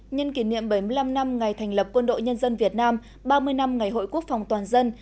nhân kỷ niệm bảy mươi năm năm ngày thành lập quân đội nhân dân việt nam ba mươi năm ngày hội quốc phòng toàn dân